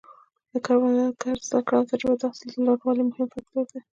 د کروندګرو زده کړه او تجربه د حاصل د لوړوالي مهم فکتور دی.